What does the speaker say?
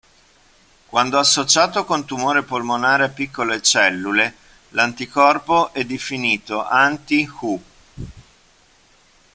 Quando associato con tumore polmonare a piccole cellule, l'anticorpo è definito "anti-Hu".